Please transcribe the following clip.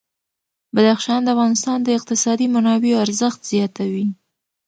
بدخشان د افغانستان د اقتصادي منابعو ارزښت زیاتوي.